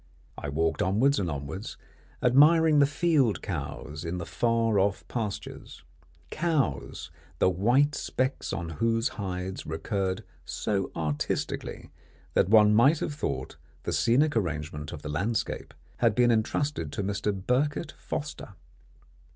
I walked onwards and onwards, admiring the field cows in the far off pastures cows the white specks on whose hides recurred so artistically that one might have thought the scenic arrangement of the landscape had been entrusted to Mr. Birket Foster.